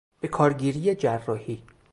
به کارگیری جراحی